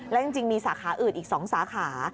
และจริงมีสาขาอื่นอีก๒สาขา